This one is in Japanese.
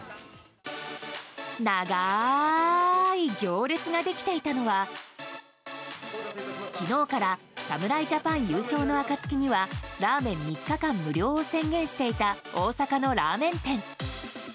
長い行列ができていたのは昨日から侍ジャパン優勝の暁にはラーメン３日間無料を宣言していた大阪のラーメン店。